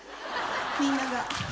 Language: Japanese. みんなが。